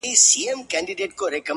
گراني چي د ټول كلي ملكه سې!!